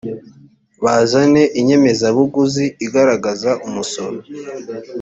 bazane inyemezabuguzi igaragaza umusoro